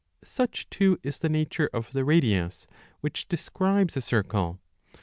2 Such, too, is the nature of the radius which describes a circle.